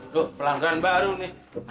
tuh pelanggan baru nih